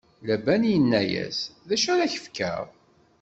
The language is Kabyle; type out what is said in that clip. Laban inna-yas: D acu ara k-fkeɣ?